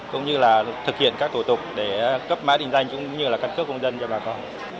cũng như là thực hiện các thủ tục để cấp mã định danh cũng như là căn cước công dân cho bà con